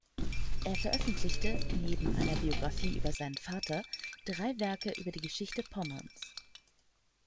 Er veröffentlichte, neben einer Biographie über seinen Vater, drei Werke über die Geschichte Pommerns.